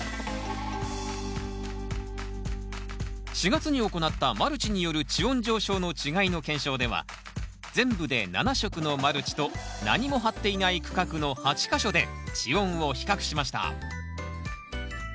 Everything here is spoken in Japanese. ４月に行ったマルチによる地温上昇の違いの検証では全部で７色のマルチと何も張っていない区画の８か所で地温を比較しました。